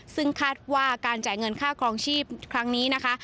ซึ่งคาดว่าการจ่ายเงินค่าครองชีพครั้งนี้นะคะ